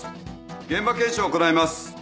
現場検証を行います。